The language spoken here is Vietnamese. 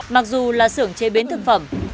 mặc dù là xưởng chế biến thực phẩm